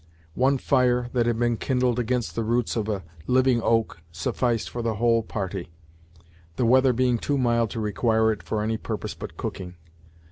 One fire, that had been kindled against the roots of a living oak, sufficed for the whole party; the weather being too mild to require it for any purpose but cooking.